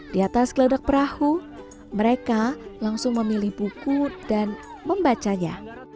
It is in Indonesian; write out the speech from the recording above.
di atas keledak perahu mereka langsung memilih buku dan membacanya